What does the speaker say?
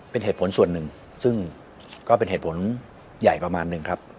เป็นเหตุผลส่วนหนึ่งซึ่งก็เป็นเหตุผลใหญ่ประมาณหนึ่งครับ